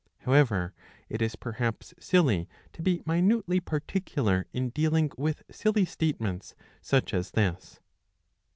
However it is perhaps silly to be minutely particular in dealing with silly statements such as this.